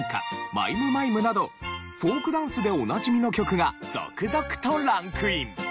『マイム・マイム』などフォークダンスでおなじみの曲が続々とランクイン。